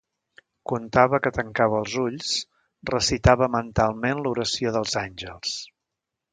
Contava que tancava els ulls, recitava mentalment l’oració dels àngels.